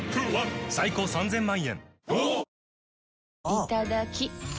いただきっ！